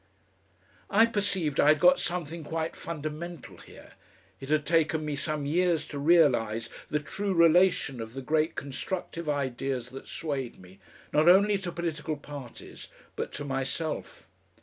I perceived I had got something quite fundamental here. It had taken me some years to realise the true relation of the great constructive ideas that swayed me not only to political parties, but to myself.